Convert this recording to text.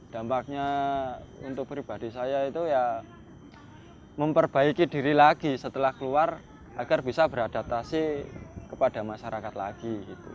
dampaknya untuk pribadi saya itu ya memperbaiki diri lagi setelah keluar agar bisa beradaptasi kepada masyarakat lagi